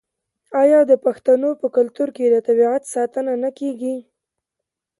آیا د پښتنو په کلتور کې د طبیعت ساتنه نه کیږي؟